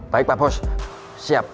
baik pak bos siap